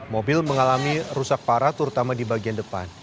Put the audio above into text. mobil mengalami rusak parah terutama di bagian depan